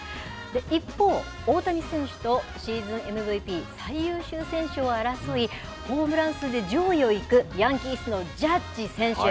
一方、大谷選手とシーズンＭＶＰ・最優秀選手を争い、ホームラン数で上位をいくヤンキースのジャッジ選手。